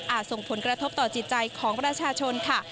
ส่งผลกระทบต่อจิตใจของประชาชนค่ะ